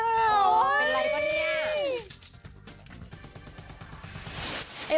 เป็นอะไรกันเนี่ย